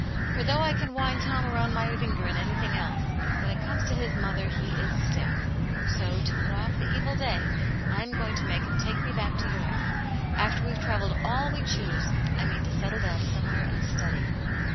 For though I can wind Tom about my finger in anything else, when it comes to his mother he is stiff. So, to put off the evil day, I am going to make him Atmt Janets Hero, 175 take mc back to Europe. After we've travelled all we choose, I mean to settle down somewhere and study